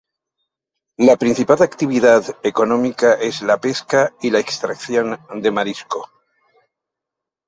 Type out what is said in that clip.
La principal actividad económica es la pesca y extracción de mariscos.